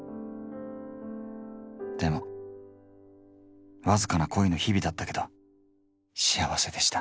でもわずかな恋の日々だったけど幸せでした。